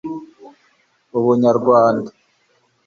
ubunyarwanda